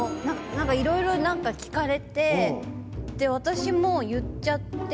何かいろいろ何か聞かれて私も言っちゃって。